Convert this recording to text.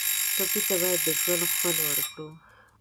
ټپي ته باید د ژوند خوند ورکړو.